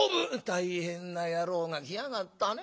「大変な野郎が来やがったねおい。